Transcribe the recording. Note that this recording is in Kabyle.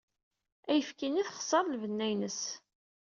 Ayefki-nni texṣer lbenna-ines.